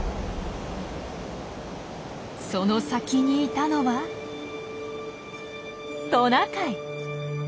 その先にいたのはトナカイ！